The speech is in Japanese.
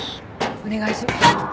お願いしまあっ。